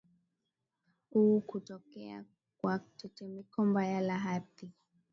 u kutokea kwa tetemeko mbaya la ardhi